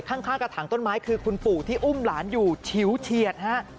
ข้างกระถางต้นไม้คือคุณปู่ที่อุ้มหลานอยู่ฉิวเฉียดฮะ